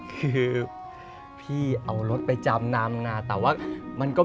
คือพี่เอารถไปจำนำงาแต่ว่ามันก็